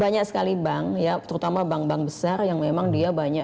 banyak sekali bank ya terutama bank bank besar yang memang dia banyak